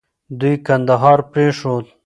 دوی کندهار پرېښود.